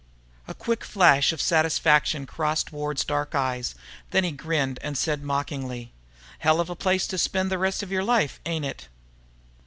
A quick flash of satisfaction crossed Ward's dark eyes. Then he grinned and said mockingly. "Hell of a place to spend the rest of your life, ain't it?"